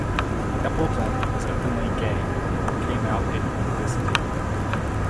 Appleton is openly gay, and came out at university.